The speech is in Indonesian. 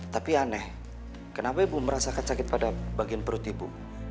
tapi aneh kenapa ibu merasakan sakit pada bagian perut ibu